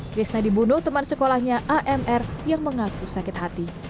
krishna dibunuh teman sekolahnya amr yang mengaku sakit hati